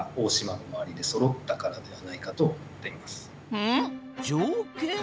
うん？条件？